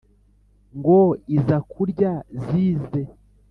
ngo iza kurya zize